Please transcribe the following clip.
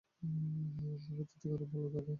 ভেতর থেকে অনেক ভালো দাদা তুমি।